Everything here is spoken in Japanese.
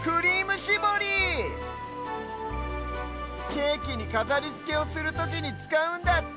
ケーキにかざりつけをするときにつかうんだって！